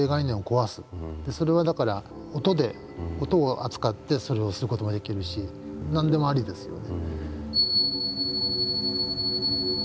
それはだから音を扱ってそれをする事ができるし何でもありですよね。